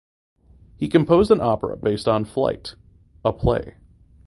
He composed an opera based on "Flight" (play).